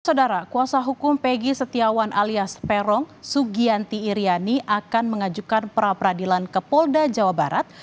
saudara kuasa hukum peggy setiawan alias peron sugianti iryani akan mengajukan pra peradilan ke polda jawa barat